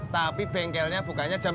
tapi bengkelnya bukannya jam dua